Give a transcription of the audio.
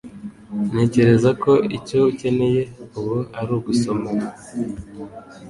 Ntekereza ko icyo ukeneye ubu ari ugusomana.